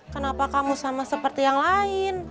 kenapa kamu sama seperti yang lain